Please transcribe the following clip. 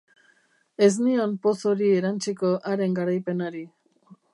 Ez nion poz hori erantsiko haren garaipenari.